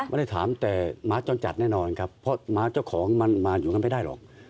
ไม่ได้ถามแต่หมาจรจัดแน่นอนครับเพราะหมาเจ้าของมันมาอยู่กันไม่ได้หรอก